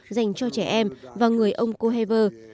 dành cho trẻ em và người ông cohaver